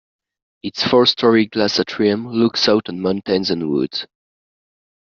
Its four-storey glass atrium looks out on mountains and woods.